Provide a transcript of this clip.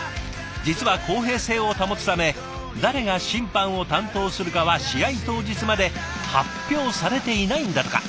実は公平性を保つため誰が審判を担当するかは試合当日まで発表されていないんだとか。